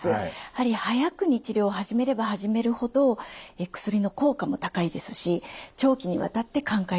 やはり早くに治療を始めれば始めるほど薬の効果も高いですし長期にわたって寛解状態を保つことができます。